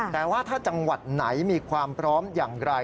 แต่ว่าถ้าจังหวัดไหนมีความพร้อมอย่างไร